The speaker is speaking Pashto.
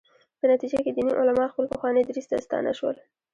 په نتیجه کې دیني علما خپل پخواني دریځ ته ستانه شول.